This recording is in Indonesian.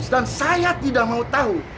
dan saya tidak mau tahu